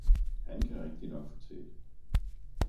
Han kan rigtignok fortælle!